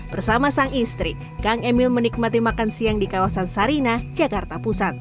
bersama sang istri kang emil menikmati makan siang di kawasan sarinah jakarta pusat